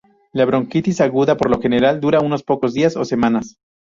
La bronquitis aguda por lo general dura unos pocos días o semanas.